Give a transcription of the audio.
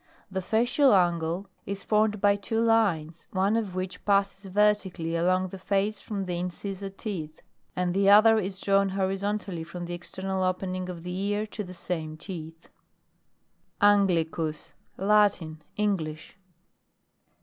The Facial angle, is formed by two line , one of which passes ver tically along the face from the in cisor teeth, and the other is drawn horizontally from the external open ing of the ear to the same teeth. ANGLICUS. Latin. English.